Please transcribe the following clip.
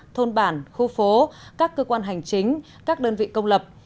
thôn bản khu phố các cơ quan hành chính các đơn vị công lập